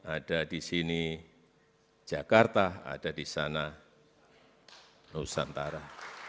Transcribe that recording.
ada di sini jakarta ada di sana nusantara